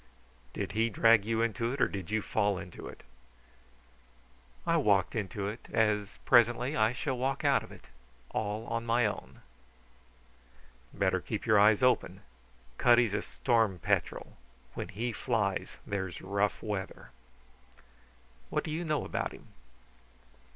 "Did he drag you into it or did you fall into it?" "I walked into it, as presently I shall walk out of it all on my own. "Better keep your eyes open. Cutty's a stormy petrel; when he flies there's rough weather." "What do you know about him?"